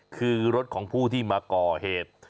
คือรถของผู้ที่มาก่อเหตุ